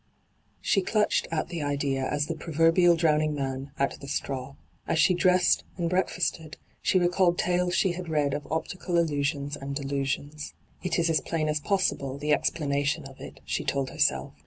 She clutched at the idea as the proverbial drowning man at the straw. As she dressed and break&sted she recalled tales she had read of optical illusions and delusions. ' It is as plain as possible, the explanation of it,* she told herself.